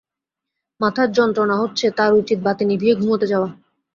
মাথায় যন্ত্রণা হচ্ছে, তাঁর উচিত বাতি নিভিয়ে ঘুমুতে যাওয়া।